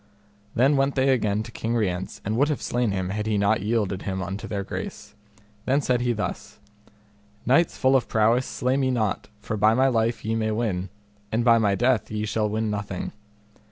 Then went they again to King Rience and would have slain him had he not yielded him unto their grace. Then said he thus: Knights full of prowess, slay me not, for by my life ye may win, and by my death ye shall win nothing.